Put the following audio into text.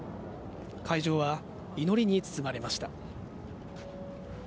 会場は祈りに包まれました。